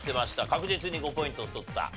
確実に５ポイントを取った。